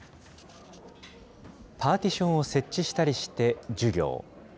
パーティションを設置したりして授業。